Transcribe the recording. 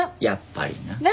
やっぱりな。